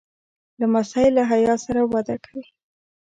لمسی له حیا سره وده کوي.